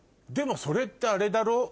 でもそれってあれだろ？